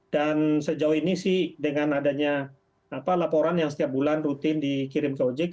dan sejauh ini sih dengan adanya laporan yang setiap bulan rutin dikirim ke pojk